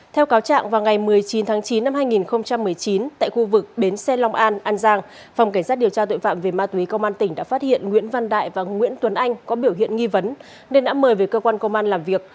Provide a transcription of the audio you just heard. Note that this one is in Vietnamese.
theo cáo trạng vào ngày một mươi chín tháng chín năm hai nghìn một mươi chín tại khu vực bến xe long an an giang phòng cảnh sát điều tra tội phạm về ma túy công an tỉnh đã phát hiện nguyễn văn đại và nguyễn tuấn anh có biểu hiện nghi vấn nên đã mời về cơ quan công an làm việc